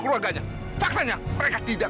keluarganya faktanya mereka tidak